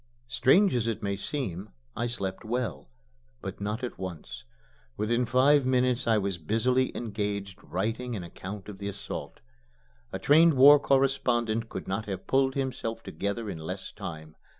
Strange as it may seem, I slept well. But not at once. Within five minutes I was busily engaged writing an account of the assault. A trained war correspondent could not have pulled himself together in less time.